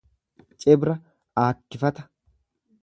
Cibra aakkifata